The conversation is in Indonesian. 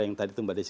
yang tadi mbak desi